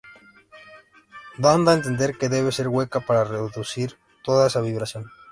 Dando a entender que debe ser hueca para producir toda esa vibración.